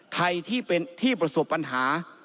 ใครที่เป็นที่ประสบปัญหา